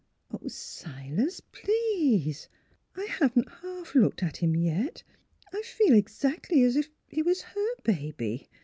" Oh, Silas, please I haven't half looked at him yet. I feel exactly as if he was her baby.